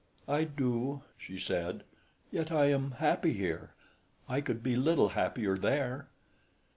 "I do," she said, "yet I am happy here. I could be little happier there."